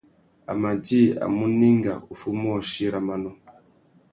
A mà djï a munú enga uffê umôchï râ manô.